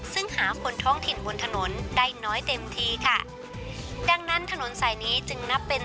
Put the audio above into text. ซึ่งหาคนท้องถิ่นบนถนนได้น้อยเต็มทีค่ะดังนั้นถนนสายนี้จึงนับเป็น